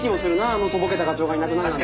あのとぼけた課長がいなくなるのはな。